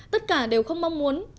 tất cả đều không mong muốn